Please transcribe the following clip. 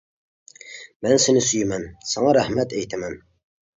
مەن سېنى سۆيىمەن، ساڭا رەھمەت ئېيتىمەن.